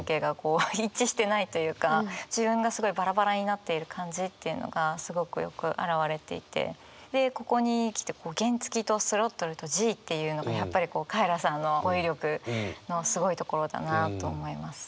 自分がすごいバラバラになっている感じっていうのがすごくよく表れていてでここに来て原付とスロットルとＧっていうのがやっぱりカエラさんの語彙力のすごいところだなと思います。